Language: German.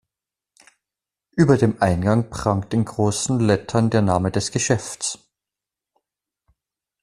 Über dem Eingang prangt in großen Lettern der Name des Geschäfts.